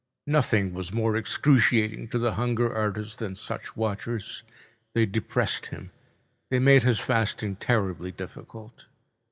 Nothing was more excruciating to the hunger artist than such watchers. They depressed him. They made his fasting terribly difficult.